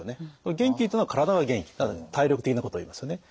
元気というのは体が元気体力的なことを言いますよね。